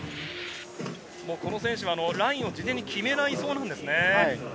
この選手はラインを事前に決めないそうなんですね。